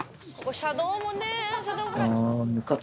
車道もね。